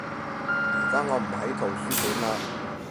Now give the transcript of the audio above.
而家我唔喺圖書館嘞